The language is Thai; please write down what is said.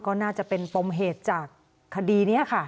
ก็น่าจะเป็นปมเหตุจากคดีนี้ค่ะ